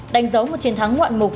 đánh dấu một chiến thắng ngoạn mục